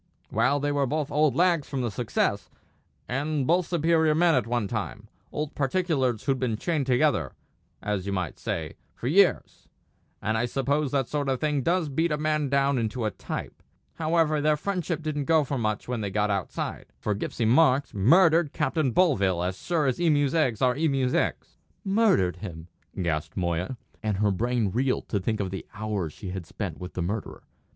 "Well, they were both old lags from the Success, and both superior men at one time; old particulars who'd been chained together, as you might say, for years; and I suppose that sort of thing does beat a man down into a type. However, their friendship didn't go for much when they got outside; for Gipsy Marks murdered Captain Bovill as sure as emu's eggs are emu's eggs!" "Murdered him!" gasped Moya; and her brain reeled to think of the hours she had spent with the murderer.